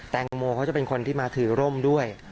แตงโมเขาจะเป็นคนที่มาถือร่มด้วย